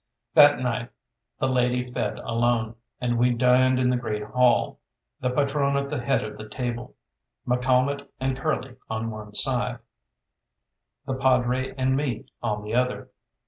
That night the lady fed alone, and we dined in the great hall, the patrone at the head of the table, McCalmont and Curly on one side, the padre and me on the other.